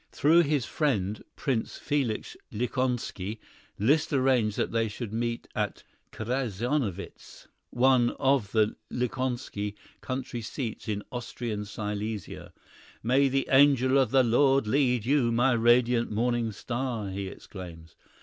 Through his friend, Prince Felix Lichnowsky, Liszt arranged that they should meet at Krzyzanowitz, one of the Lichnowsky country seats in Austrian Silesia. "May the angel of the Lord lead you, my radiant morning star!" he exclaims.